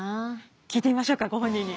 聞いてみましょうかご本人に。